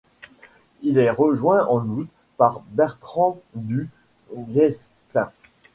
Il est rejoint en août par Bertrand Du Guesclin.